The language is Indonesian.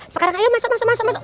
sekarang ayo masuk masuk masuk